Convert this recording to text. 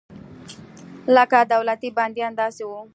لکه دولتي بندیان داسې وو.